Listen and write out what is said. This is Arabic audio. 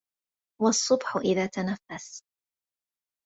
والصبح إذا تنفس